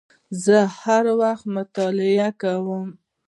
زه هر وخت مطالعه کوم